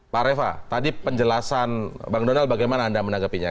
pak reva tadi penjelasan bang donald bagaimana anda menanggapinya